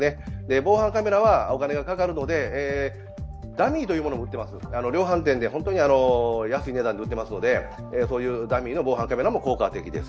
防犯カメラはお金がかかるので、ダミーも売っています、量販店で安い値段で売ってますのでそういうダミーの防犯カメラも効果的です。